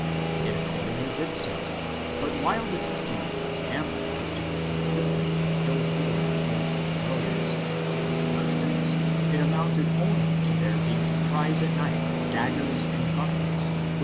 It accordingly did so, but while the testimony was ample as to the existence of ill feeling towards the familiars, in substance it amounted only to their being deprived at night of daggers and bucklers which 1 Archive de Simancas, Inquisition, Libro 19, fol.